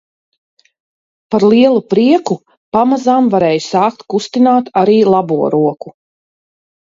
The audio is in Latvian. Par lielu prieku pamazām varēju sākt kustināt arī labo roku.